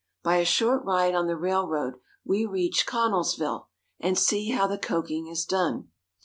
By a short ride on the railroad we reach Connellsville, and see how the coking is done.